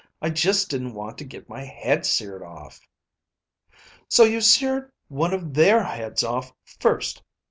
I just didn't want to get my head seared off." "So you seared one of their heads off first.